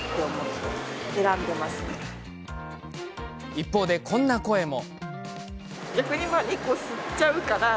一方で、こんな声も。